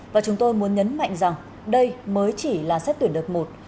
và chúng tôi muốn nhấn mạnh rằng đây mới chỉ là xét tuyển đợt một